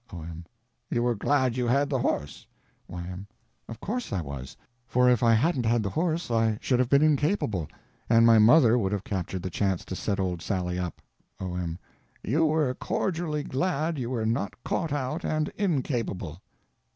O.M. You were glad you had the horse? Y.M. Of course I was; for if I hadn't had the horse I should have been incapable, and my _mother _would have captured the chance to set old Sally up. O.M. You were cordially glad you were not caught out and incapable?